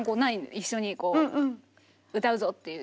一緒にこう歌うぞっていう曲。